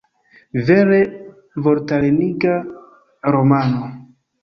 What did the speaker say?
Vere vortareniga romano!